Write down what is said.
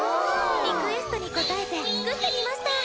リクエストに応えて作ってみました！